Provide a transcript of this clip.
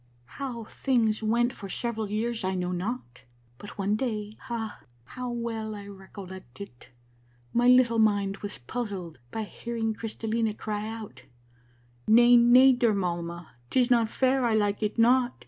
" How things went for several years I know not, but one day, ah, how well I recollect it ! my little mind was puzzled by hear ing Crystallina cry out: 'Nay, nay, dear mamma, 'tis not fair; I like it not.